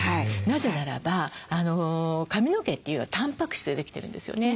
なぜならば髪の毛というのはたんぱく質でできてるんですよね。